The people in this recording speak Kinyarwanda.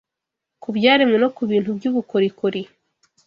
ku byaremwe no ku bintu by’ubukorikori